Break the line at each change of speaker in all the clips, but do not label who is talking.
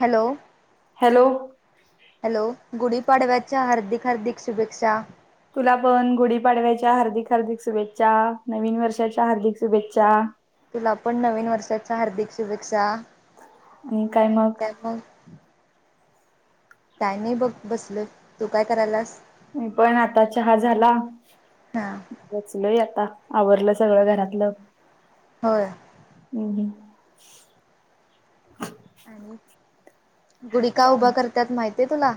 Hello.
Hello
hello, गुढीपाडव्याच्या हार्दिक हार्दिक शुभेच्छा.
तुला पण गुढीपाडव्याच्या हार्दिक हार्दिक शुभेच्छा, नवीन वर्षाच्या हार्दिक शुभेच्छा.
तुला पण नवीन वर्षाच्या हार्दिक शुभेच्छा, आणि काय मग, काय नाही बघ, बसलोय, तू काय करायलीस
मी पण आता चहा झाला.
हा
बसलोय आता, आवरलं सगळं घरातलं.
होय
हम्म
आणि, गुढी का उभा करत्यात माहितीये का तुला.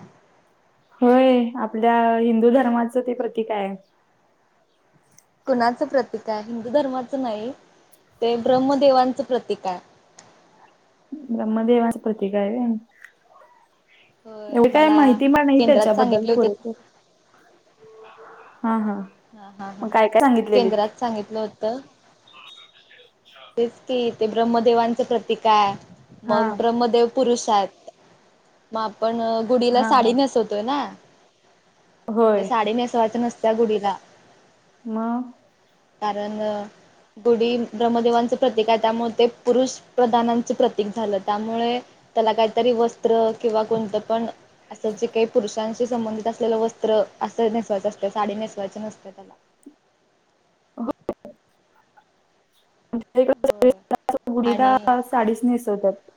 होय, आपल्या हिंदू धर्माचं ते प्रतीक आहे.
कुणाचं प्रतीक आहे, हिंदू धर्माचं नाही ते ब्रह्मदेवांचं प्रतीक आहे.
ब्रह्मदेवाचं प्रतीक आहे व्हय
होय
एवढी काय
आम्हाला
माहिती मला नाही
केंद्रात
त्यांच्याबद्दल
सांगितले होते
पुरेपुर. हा हा,
हा हा हा
मग काय काय सांगितलेले.
केंद्रात सांगितलं होतं
अच्छा
तेच कि, ते ब्रह्मदेवांच प्रतीक आहे,
हा
मग ब्रह्मदेव पुरुष आहेत मग आपण गुढीला
हा हा
साडी नेसवतोय ना, मग ते
होय
साडी नेसवायच नसत्या गुढीला.
मग.
कारण गुढी ब्र देवांच प्रतीक आहे त्यामुळे ते पुरूष प्रधानांचं प्रतीक झालं, त्यामुळे त्याला काहीतरी वस्त्र किंवा कोणत पण अस जे काही पुरुषांशी संबंधित असलेल वस्त्र असं नेसवायच असत साडी नेसायची नसते त्याला
हो
होय आणि
गुढीदासऽ [unintelligible] साडीच नेसवतात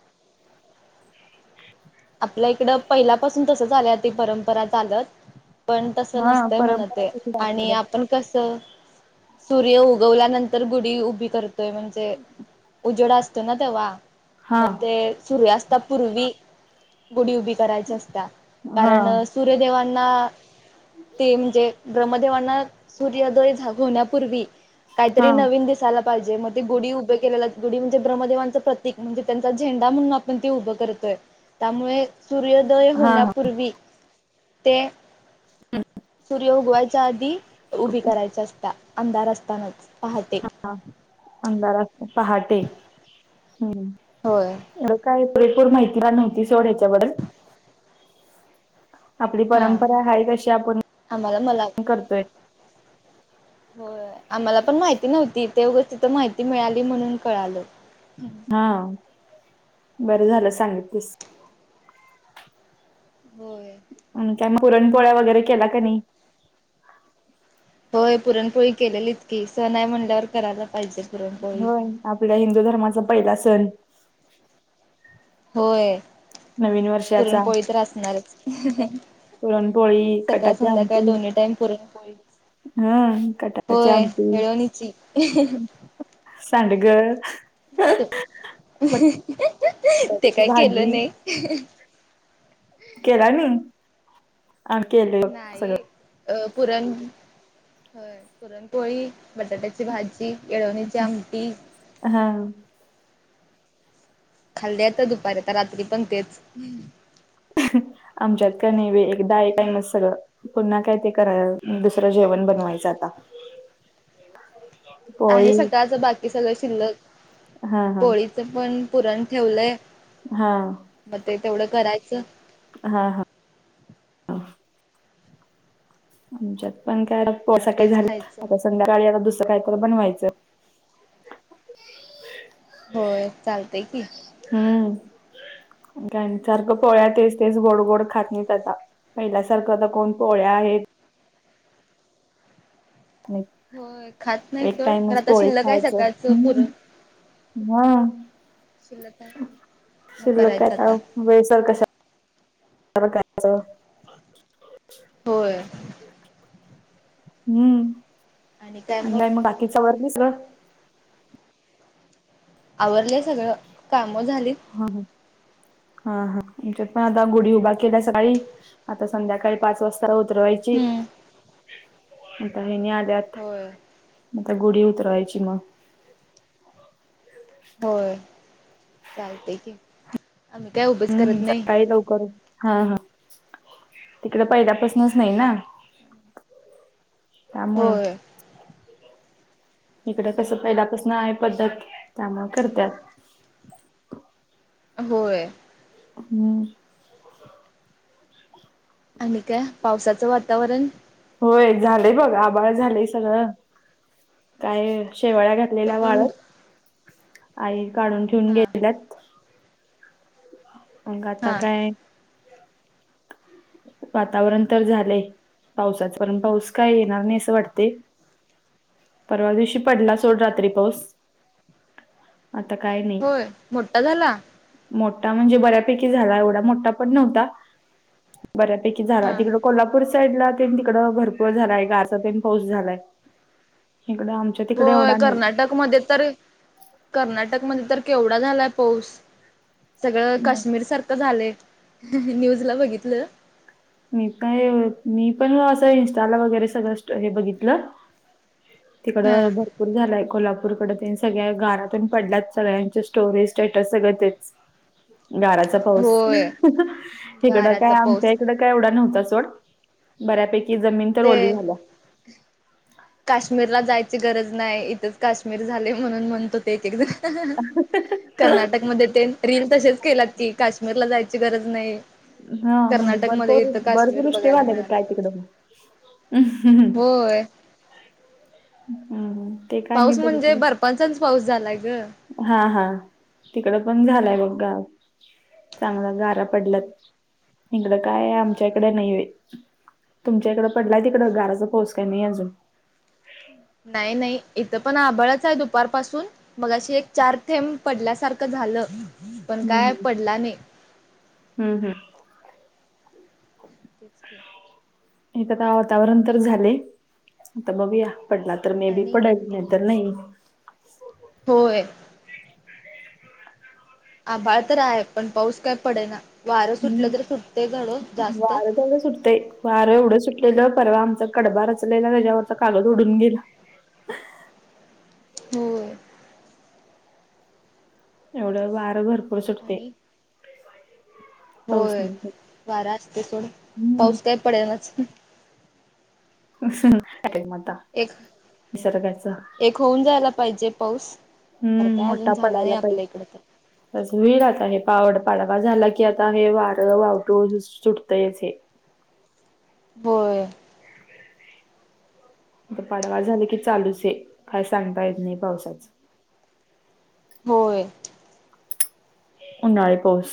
आपल्या इकड पहिल्यापासुन तस आल्या ती परंपरा चालत पण तस
हा
नसतय म्हण
परंपरा
ते
कशी
आणि
आपल्याकडे
आपण कस सुर्य उगवल्यानंतर गुढी उभी करत तोय म्हणजे उजेड असतो ना तेव्हा
हा
मग ते सुर्यास्ता पुर्वी गुढी उभी करायच असत्या
हा
कारण सुर्यदेवांना ते म्हणजे ब्रह्मदेवांना सुर्योदय झाग होन्या पुर्वी काही
हा
तरी नवीन दिसायला पाहिजे मग ते गुढी उभे केलेला गुढी म्हणजे ब्रमदेवांच प्रतीक म्हणजे त्यांचा झेंडा म्हणुन पण ते उभ करतोय त्यामुळे सुर्योदय
हा हा
होण्यापुर्वी ते सुर्य उगवायच्या आधी उभी करायची असत्या अंधार असतानाच पहाटे
हं अंंधारात पहाटे हम्म
होय
एवढी काय पुरेपुर माहिती नव्हती सोड ह्याच्या बद्दल आपली
हा
परंपरा आहे तशी आपण
आम्हाला मला
करतोय
[inaudible] होय आम्हाला पण माहिती नव्हती ते उगच तिथुन माहिती मिळाली म्हणुन कळाल
हां बरं झाल सांगितलीस
होय
अन् काय पुरणपोळ्या वगैरे केला का नाही
होय पुरणपोळी केलेलीच की सण हाय म्हणल्यावर करायला पाहिजे पुरणपोळी.
होय आपल्या हिंदु धर्माचा पहिला सण
होय
नवीन वर्षाचा
पुरणपोळी तर असणारच हं
पुरणपोळी
सकाळ
कटाची
संध्याकाळ
आमटी
दोन्ही टाईम पुरणपोळी
हा कटाची
होय
आमटी
येळवणीची
सांडग
ते
बटाट्याची
काय केल
भाजी
नाही
केला नाही [unintelligible]
नाही अं पुरन होय पुरणपोळी, बटाट्याची भाजी, येळवणीची आमटी
हां हां
खाल्ली आता दुपारी आता रात्री पण तेच
आमच्यात कानी एक [unintelligible] सगळ पुन्हा काय ते करा दुसरं जेवण बनवायच आता
आहे
पोळी
सकाळच बाकी सगळ शिल्लक
हा हा
पोळीच पण पुरण ठेवलय
हां
मग ते तेवढ करायच
हां हां आमच्यात पण काय सकाळी
तेच
झालेत
खायचं
आता
मग
संध्याकाळी आता दुसर काय तरी बनवायचं
होय चालते की
हां सारखं पोळ्या तेच ते गोड गोड खात नाहीत आता पहिल्यासारखं आता कोण पोळ्या हे
होय खात नाही
एक
सोड खरं
टाइमच
आता
पोळी
शिल्लक आहे
खायच हू
सकाळचं पुरण
हू
शिल्लक आहे मग
शिल्लक
करायचं आता
काय तर [unintelligible]
होय
हू
आणि काय मग
आणलाय म बाकीचा वर [unintelligible]
आवरलस
हा हू हा हा आमच्यात पण आता गुढी उभा केल्या सकाळी, आता संध्याकाळी पाच वाजता उतरवाय ची
हम्म
हेणी आल्यात
होय
आता गुढी उतरवायची मग
होय चालते की [unintelligible]
हम्म
नाही
सकाळी लवकर उठ हा हा तिकड पहिल्यापासनच नाही ना त्यामुळ
होय
इकडं कसं
त्यामुळं
पहिल्यापासन आहे पद्धत त्यामूळ करत्यात.
होय
हम्म
आणि काय पावसाचं वातावरण
होय झालंय बघ आबाळ झालंय सगळं, काय शेवाळ्या
तर
घातलेल्या
पण
वाळत आई काढून ठेऊन
हां
गेल्यात मग आता
हां
काय वातावरण तर झालंय पावसाच पण पाऊस काय येणार नाही असं वाटते परवा दिवशी पडला सोड रात्री पाऊस आता काय नाही
होय मोठा झाला
मोठा म्हणजे बऱ्यापैकी झाला एवढा मोठा पण नव्हता बऱ्यापैकी झाला
हा
तिकड कोल्हापूर साईड ला तेन तिकड भरपूर झालाय गारचा तेन पाऊस झालाय इकड आमच्या तिकडे
होय
एवढा नाही
कर्नाटक मध्ये तर कर्नाटक मध्ये तर केवढा झालाय पाऊस सगळं काश्मीर सारखं झालंय न्यूजला बघितलं
मी काय मी पण असं इन्स्टाला वगैरे सगळं हे बघितलं.
हा
तिकडं बर पूर झालाय कोल्हापूरकड तेन सगळ्या गारा तेन पडल्यात सगळ्यांचे स्टोरी स्टेटस सगळं तेच गाराचा पाऊस
होय
हीकडं काय
गाराचा
आमच्या
पाऊस
हिकडं काय एवढा नव्हता सोड बऱ्यापैकी जमीन तर
ते
ओली झाल्या.
काश्मीरला जायची गरज नाही इथंच काश्मीर झाले म्हणून म्हणतो. ते एकीकड कर्नाटकमध्ये तेन रील तशेच केल्यात की काश्मीरला जायची गरज नाही.
हा म्हणजे
कर्नाटकमध्ये
भरपूर
इथं काश्मीर
बर्फवृष्टी
बघायला
व्हाल्या काय
मिळालं
काय तिकडं [unintelligible]
होय
हू हू
पाऊस म्हणजे बर्फाचाचं पाऊस झालाय ग
हा हा हिकड पण झालंय बघ गा चांगलं गारा
हा
पडल्यात इकडं काय आमच्या
हा
इकड नाही बाई तुमच्या इकडं पडलाय तिकड गाराचा पाऊस काय नाही अजून
नाही नाही, इथं पण आभाळच आहे दुपारपासून मगाशी एक, चार थेंब पडल्यासारखं झालं, पण काय पडला नाही.
हं हं
तेच की,
इथ काय वातावरण तर झालंय. आता बघूया पडला तर, तर मेबी
आणि
पडल. नाही तर नाही.
होय आभाळ तर आहे पण पाऊस काय पडेना वारं सुटलं तरी सुटतय थोडं जास्त
हो ग सुटतय वारं एवढं सुटलेलं परवा, आमचा कडबा रचलेला त्याच्यावरच कागद उडून गेला.
होय
एवढं वारं भरपूर सुटतंय.
आणि होय वारा असते सोड
हम्म
पाऊस काय पडेनाच
काय मग आता?
एक
निसर्गाच
एक होऊन जायला पाहिजे पाऊस, तर
हम्म
काय अजून
मोठा
झाला नाही
पडायला पाहिजे.
आपल्या इकड तर
होईल आता हे पावड पाडवा झाला की आता हे वारं वावटूळ सुटतंयच हे आता
होय
पाडवा झाले की, चालूच आहे काय सांगता येत नाही पावसाच
होय
उन्हाळी पाऊस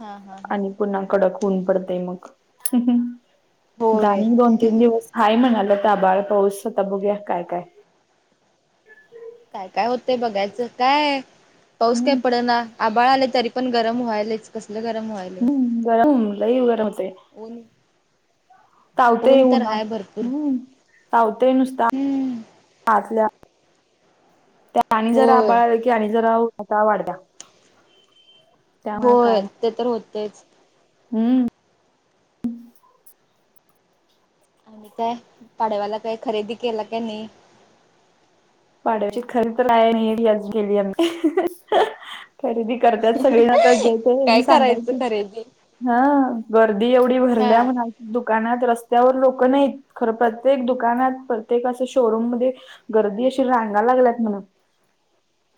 हा हा हा
आणि पुन्हा कडक ऊन पडतेय मग
होय
आणि दोन, तीन दिवस हाय म्हणायलेत आभाळ पाऊस आता बघुया काय काय?
काय काय होतंय बघायचं काय? पाऊस काय
हम्म
पडना. आभाळ आले तरी पण गरम व्हायलच कसले गरम व्हायल.
हं गरम लय गरम होतंय.
ऊन
तावतय
ऊन तर
ना
हाय भरपूर
हं तावतय नुसता
हम्म
आतल्या त्या आणि जरा
होय
आभाळ आलं कि आणि जरा [inaudible] उष्णता वाढत्या त्यामुळे
होय ते तर होतंच
हं
आणि काय पाडव्याला काय खरेदी केला कि नाही?
पाडव्याची खरी तर काय नाही आजुन आम्ही खरेदी करतात सगळी ना तर जय
काय
ते
करायचं
सांगालती
खरेदी
हं गर्दी एवढी
हा
भरल्या म्हणा दुकानात, रस्त्यावर लोक नाहीत खरं प्रत्येक दुकानात प्रत्येक असं शोरूम मध्ये गर्दी अशी रांगा लागल्यात म्हण,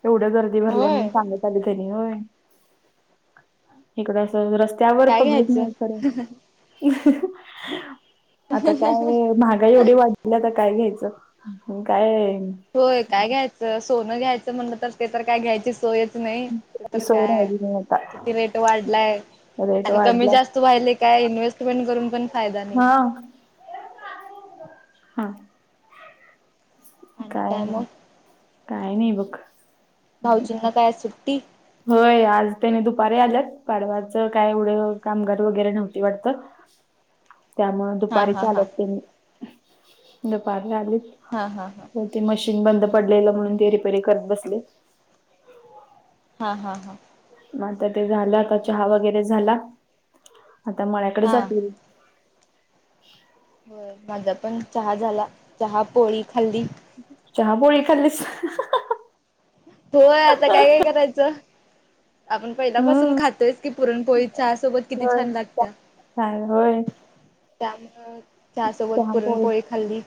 तेवढे गर्दी भरले म्हणून
होय
सांग काली कनी होय इकडं असं रस्त्यावर
काय
पब्लिक
घ्यायचं
नाही इकडे आता काय महागाई एवढी वाढलीय तर काय घ्यायचं काय?
होय काय घ्यायचं? सोनं घ्यायचं म्हणतच ते तर काय घ्यायची सोयच नाही ते
ती
तर
सोय
काय आहे
राहिली नाही
किती
आता
रेट वाढलाय?
रेट
आणि कमी
वाढला
जास्त व्हायलंय काय इन्व्हेस्टमेंट करून पण फायदा नाही.
हा हा काय मग? काय नाही बघ.
भाऊजींना काय सुट्टी?
होय आज त्यांनी दुपारी आल्यात, पाडवाचं काय एवढं कामगार वगैरे नव्हते वाटतं? त्यामुळं
हा हा
दुपारीचं
हा
आलेत ते नी दुपारनं आलेत.
हा हा.
ते मशीन बंद पडलेलं म्हणून ते रिपेरी करत बसले.
हा हा हा.
मग आता ते झालं आता चहा
आणि
वगैरे झाला. आता मळ्याकडे
हा
जातील.
होय माझा पण चहा झाला. चहा पोळी खाल्ली.
चहा पोळी खाल्लीस.
होय आता काय काय करायचं. आपण पहिल्यापासून
हम्म
खातोयचं की पुरणपोळी चहा सोबत किती
होय
छान लागत्या.
काय होय.
त्यामुळं चहा सोबत पुरणपोळी खाल्ली.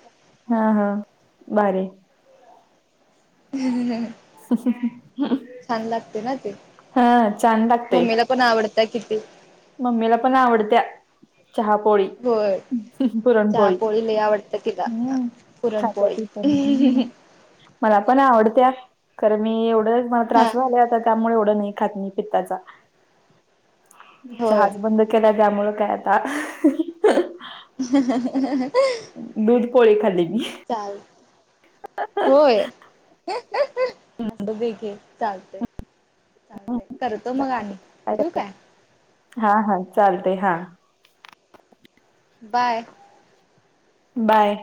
हा हा भारी.
छान लागते ना ते,
हा छान लागते
मम्मीला पण आवडतंय किती.
मम्मीला पण आवडत्या चहापोळी.
होय. चहा पोळी लई आवडत्या तिला
हम्म खाते
पुरणपोळी.
ती पण हम्म मला पण आवडत्या खरं मी एवढं मला
हा
त्रास व्हायले आता त्यामुळे एवढं नाही खात मी पित्ताचा.
होय
चहाचं बंद केलाय त्यामुळं काय आता?
[unintelligible]
दूध पोळी खाल्ली मी.
चाल होय? असू दे की चालतंय. चालतंय करतो मग आणि, ठेऊ काय?
हा हा चालतंय हा.
बाय.
बाय.